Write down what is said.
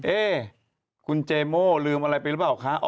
เอ๊คุณเจโม่ลืมอะไรไปหรือเปล่าคะ